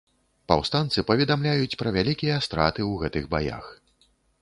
Паўстанцы паведамляюць пра вялікія страты ў гэтых баях.